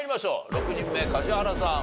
６人目梶原さん